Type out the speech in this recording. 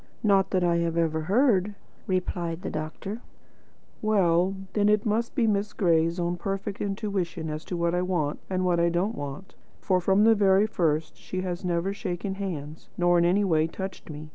"Not that I have ever heard," replied the doctor. "Well, then, it must have been Miss Gray's own perfect intuition as to what I want, and what I don't want. For from the very first she has never shaken hands, nor in any way touched me.